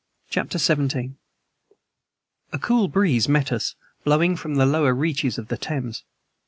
CHAPTER XVII A COOL breeze met us, blowing from the lower reaches of the Thames.